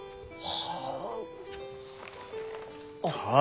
はあ。